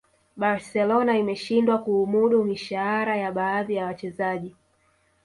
barcelona imeshindwa kuumudu mishahara ya baadhi ya wachezaji